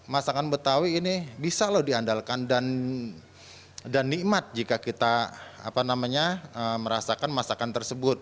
masakan betawi ini bisa loh diandalkan dan nikmat jika kita merasakan masakan tersebut